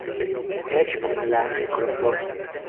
Eĉ kun la mikrofono.